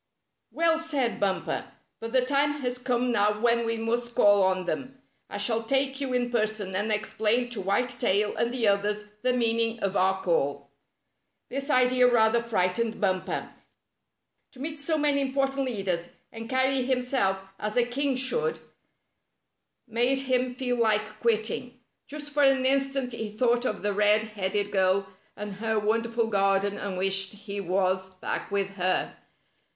" Well said, Bumper, But the time has come now when we must call on them. I shall take you in person, and explain to White Tail and the others the meaning of our call." This idea rather frightened Bumper. To meet so many important leaders, and carry himself as a king should, made him feel like quitting. Just for an instant he thought of the red headed girl and her wonderful garden, and wished he was back with her.